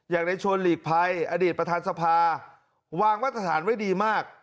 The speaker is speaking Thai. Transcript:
อย่างในชนหลีกภัยอดีตประธานสภาวางวัฒนฐานไว้ดีมาก